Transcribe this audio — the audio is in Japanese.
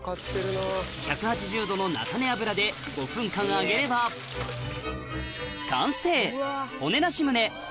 １８０℃の菜種油で５分間揚げれば完成！